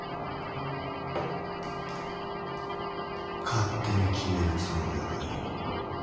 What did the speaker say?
勝手に決めるつもりはない。